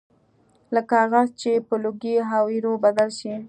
لکه کاغذ چې په لوګي او ایرو بدل شي